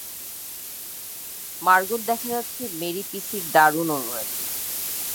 Margot দেখা যাচ্ছে মেরী-পিসীর দারুণ অনুরাগী।